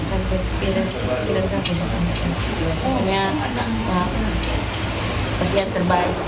hanya ya kesian terbaik